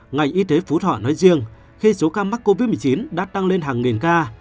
ngành y tế phú thọ nói riêng khi số ca mắc covid một mươi chín đã tăng lên hàng nghìn ca